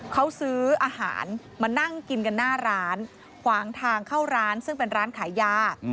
เขาซื้ออาหารมานั่งกินกันหน้าร้านขวางทางเข้าร้านซึ่งเป็นร้านขายยา